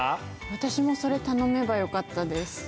私もそれ頼めばよかったです